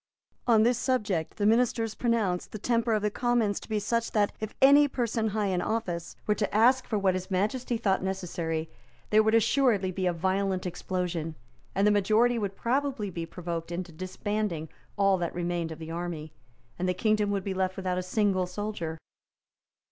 On this subject the ministers pronounced the temper of the Commons to be such that, if any person high in office were to ask for what His Majesty thought necessary, there would assuredly be a violent explosion; the majority would probably be provoked into disbanding all that remained of the army; and the kingdom would be left without a single soldier.